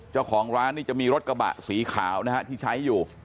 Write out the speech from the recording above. เจ้าของร้านนี่จะมีรถกระบะสีขาวนะฮะที่ใช้อยู่